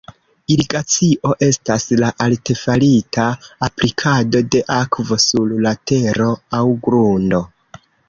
Irigacio estas la artefarita aplikado de akvo sur la tero aŭ grundo.